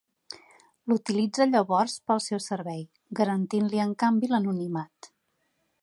L'utilitza llavors pel seu servei, garantint-li en canvi l'anonimat.